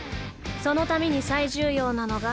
そのために最重要なのが。